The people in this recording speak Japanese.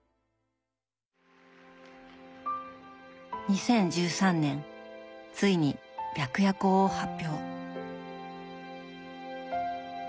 ２０１３年ついに「白夜行」を発表。